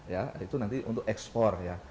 ya itu nanti untuk ekspor ya